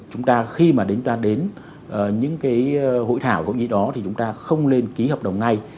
chúng ta khi mà đến những hội thảo hội nghị đó thì chúng ta không lên ký hợp đồng ngay